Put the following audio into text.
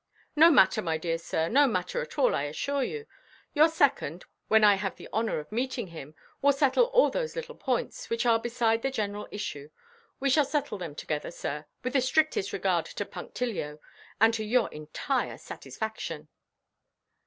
"No matter, my dear sir; no matter at all, I assure you. Your second, when I have the honour of meeting him, will settle all those little points, which are beside the general issue; we shall settle them together, sir, with the strictest regard to punctilio, and to your entire satisfaction."